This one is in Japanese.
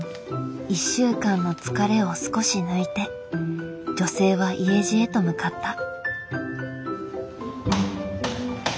１週間の疲れを少し抜いて女性は家路へと向かった。